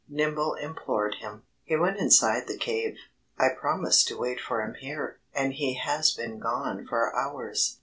Nimble implored him. "He went inside the cave. I promised to wait for him here. And he has been gone for hours."